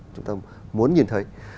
chúng ta muốn nhìn thấy